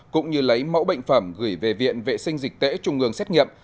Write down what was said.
cũng như lấy mẫu bệnh phẩm gửi về viện vệ sinh dịch tễ trung ương xét nghiệm